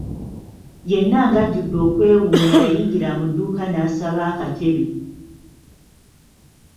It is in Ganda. Yenna ng'ajjudde okwewuunya yayingira mu dduuka n'asaba akatebe.